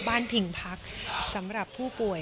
พิงพักสำหรับผู้ป่วย